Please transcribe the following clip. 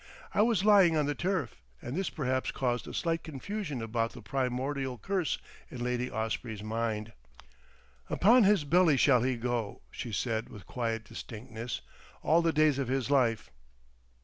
I was lying on the turf, and this perhaps caused a slight confusion about the primordial curse in Lady Osprey's mind. "Upon his belly shall he go," she said with quiet distinctness, "all the days of his life."